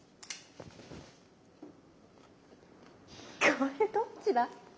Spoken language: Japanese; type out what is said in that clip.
これどっちだ？